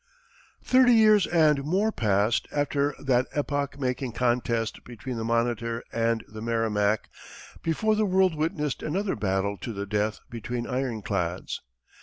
Thirty years and more passed after that epoch making contest between the Monitor and the Merrimac before the world witnessed another battle to the death between ironclads.